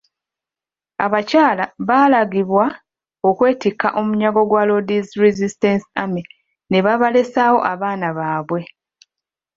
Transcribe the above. Abakyala baalagirwa okwetikka omunyago gwa Lord's Resistance Army ne babalesaawo abaana baabwe.